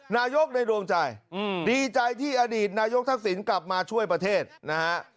นายกในดวงใจดีใจที่อดีตนายกทักษิณกลับมาช่วยประเทศนะฮะ